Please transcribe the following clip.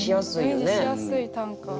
イメージしやすい短歌。